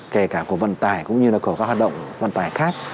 kể cả của vận tải cũng như là của các hoạt động vận tải khác